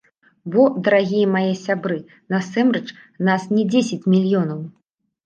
Бо, дарагія мае сябры, насамрэч нас не дзесяць мільёнаў.